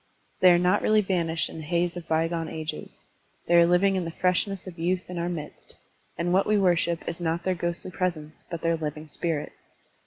They are not really vanished in the haze of bygone ages ; they are living in the freshness of youth in our midst, and what we worship is not their ghostly presence but their living spirit.